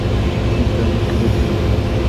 একটু অপেক্ষা করতে বল।